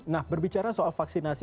nah berbicara soal vaksinasi